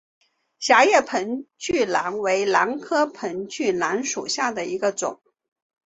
狭叶盆距兰为兰科盆距兰属下的一个种。